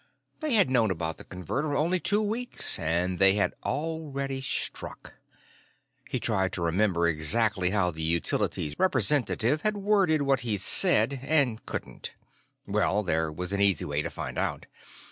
They had known about the Converter only two weeks, and they had already struck. He tried to remember exactly how the Utilities representative had worded what he'd said, and couldn't. Well, there was an easy way to find out.